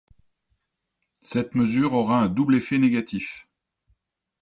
Cette mesure aura un double effet négatif.